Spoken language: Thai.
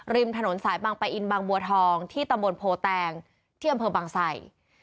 ริมถนนสายบางปะอินบางบัวทองที่ตำบลโพแตงที่อำเภอบางไส